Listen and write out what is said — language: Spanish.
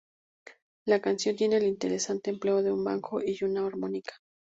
La canción tiene el interesante empleo de un banjo y una armónica.